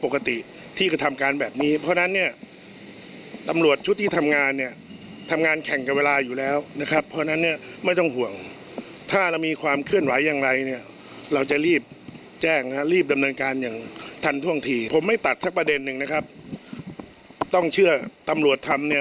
ผมไม่ตัดทั้งประเด็นหนึ่งนะครับต้องเชื่อตำรวจทำเนี่ย